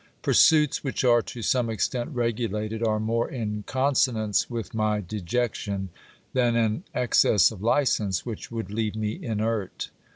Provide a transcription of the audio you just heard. Pursuits which are to some extent regulated are more in consonance with my dejection than an excess of licence which would leave me inert.